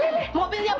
aduh aduh aduh